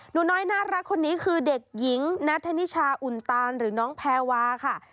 หนูน้อยน่ารักคนนี้คือเด็กหญิงนัทธนิชาอุ่นตานหรือน้องแพรวาค่ะ